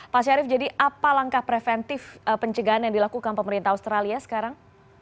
pak syarif jadi apa langkah preventif pencegahan yang dilakukan pemerintah australia sekarang